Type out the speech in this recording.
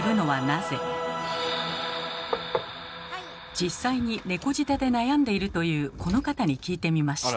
実際に猫舌で悩んでいるというこの方に聞いてみました。